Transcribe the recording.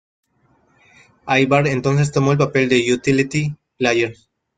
Aybar entonces tomó el papel de utility player.